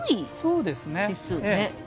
そうです。